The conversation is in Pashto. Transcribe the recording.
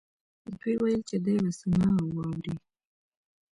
دوی ویل چې دی به څه نه واوري